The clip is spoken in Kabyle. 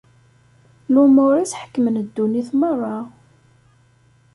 Lumuṛ-is ḥekmen ddunit merra.